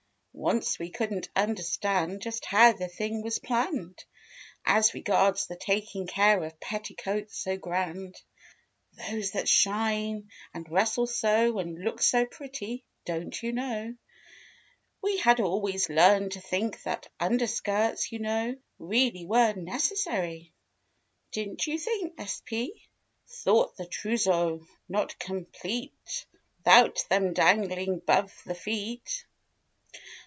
Once we couldn't understand just How the thing was planned As regards the taking care of Petticoats so grand— Those that shine and rustle so And look so pretty, don't you know. We had always learned to think that Underskirts, you know. Really were necessary— Didn't you think sp? Thought the trouseau not complete 'Thout them dangling 'bove the feet.